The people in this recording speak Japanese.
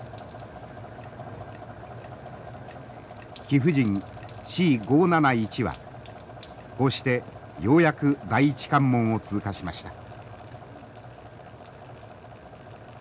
貴婦人Ｃ５７１はこうしてようやく第１関門を通過しました。